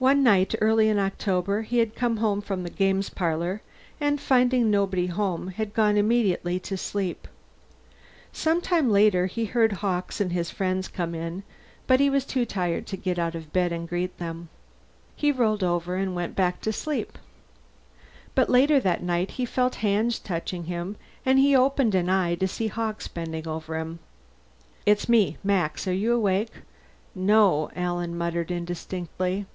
One night early in October he had come home from the games parlor and, finding nobody home, had gone immediately to sleep. Some time later he heard Hawkes and his friends come in, but he was too tired to get out of bed and greet them. He rolled over and went back to sleep. But later that night he felt hands touching him, and he opened an eye to see Hawkes bending over him. "It's me Max. Are you awake?" "No," Alan muttered indistinctly.